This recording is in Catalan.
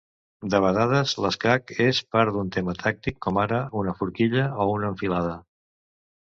De vedades l'escac és part d'un tema tàctic com ara una forquilla, o una enfilada.